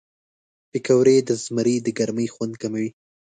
پکورې د زمري د ګرمۍ خوند کموي